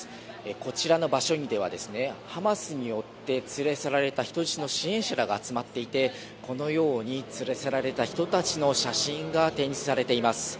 こちらの場所ではハマスによって連れ去られた人質の支援者らが集まっていてこのように連れ去られた人たちの写真が展示されています。